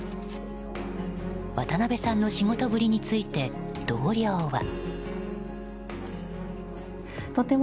渡邊さんの仕事ぶりについて同僚は。